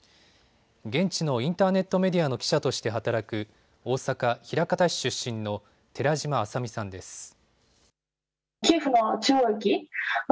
現地のインターネットメディアの記者として働く大阪枚方市出身の寺島朝海さんです。